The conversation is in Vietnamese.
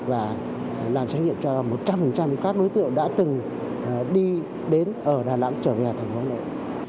và làm xét nghiệm cho một trăm linh các đối tượng đã từng đi đến ở đà nẵng trở về thành phố hà nội